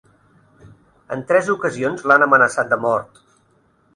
En tres ocasions l'han amenaçat de mort.